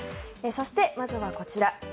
そしてまずはこちら。